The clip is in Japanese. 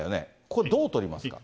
これ、どう取りますか？